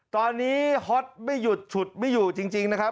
ตอนนี้ฮอตไม่หยุดฉุดไม่อยู่จริงนะครับ